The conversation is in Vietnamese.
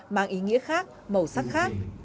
mang ý nghĩa khác màu sắc khác